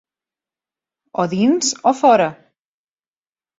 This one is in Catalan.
O dins o fora.